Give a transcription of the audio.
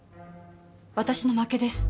私の負けです。